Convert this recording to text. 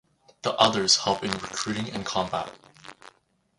The others help in recruiting and combat.